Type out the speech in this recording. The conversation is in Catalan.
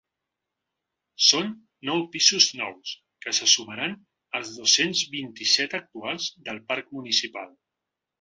Són nou pisos nous que se sumaran als dos-cents vint-i-set actuals del parc municipal.